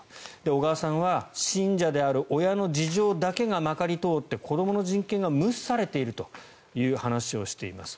小川さんは信者である親の事情だけがまかり通って子どもの人権が無視されているという話をしています。